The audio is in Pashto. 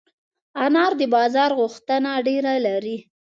انار د بازار غوښتنه ډېره لري.